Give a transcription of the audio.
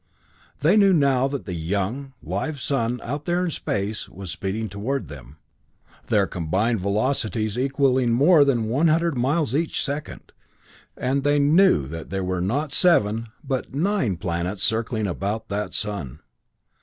They knew now that the young, live sun, out there in space, was speeding toward them, their combined velocities equalling more than 100 miles each second. And they knew that there were not seven, but nine planets circling about that sun.